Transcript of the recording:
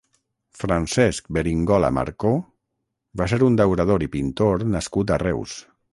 Francesc Beringola Marcó va ser un daurador i pintor nascut a Reus.